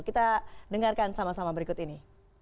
kita dengarkan sama sama berikut ini